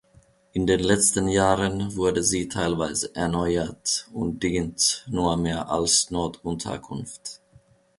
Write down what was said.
In den letzten Jahren wurde sie teilweise erneuert und dient nur mehr als Notunterkunft.